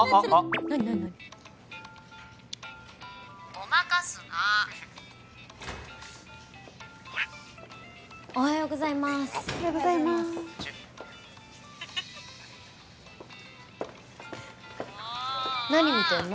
ごまかすなほらおはようございますおはようございます何見てんの？